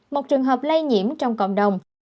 một trường hợp lây nhiễm trong cộng đồng